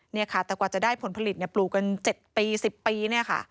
เนี่ยค่ะแต่กว่าจะได้ผลผลิตเนี่ยปลูกกันเจ็ดปีสิบปีเนี่ยค่ะ